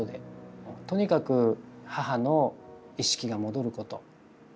とにかく母の意識が戻ること